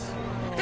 え？